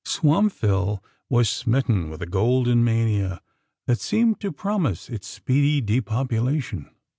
Swampville was smitten with a golden mania, that seemed to promise its speedy depopulation.